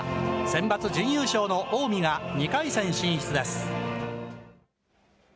センバツ準優勝の近江が２回戦進出です。